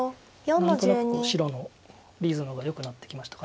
何となく白のリズムがよくなってきましたか。